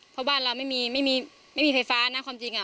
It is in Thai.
เพราะบ้านเราไม่มีไฟฟ้านะความจริงอ่ะ